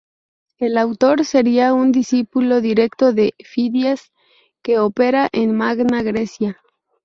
El autor sería un discípulo directo de Fidias, que opera en Magna Grecia.